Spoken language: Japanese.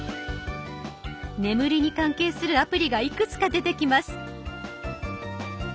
眠りに関係するアプリがいくつか出てきます。